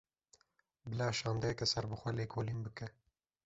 Bila şandeyeke serbixwe lêkolîn bike